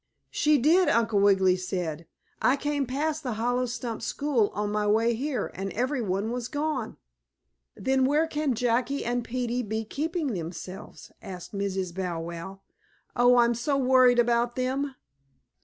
"She did," Uncle Wiggily said. "I came past the hollow stump school on my way here, and every one was gone." "Then where can Jackie and Peetie be keeping themselves?" asked Mrs. Bow Wow. "Oh, I'm so worried about them!"